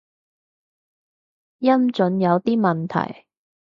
音準有啲問題